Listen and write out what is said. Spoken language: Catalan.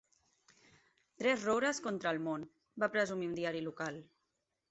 "Tres roures contra el món", va presumir un diari local.